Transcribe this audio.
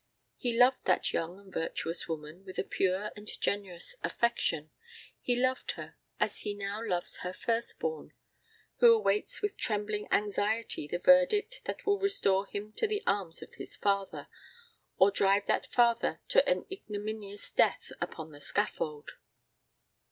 He loved that young and virtuous woman with a pure and generous affection; he loved her as he now loves her first born, who awaits with trembling anxiety the verdict that will restore him to the arms of his father, or drive that father to an ignominious death upon the scaffold.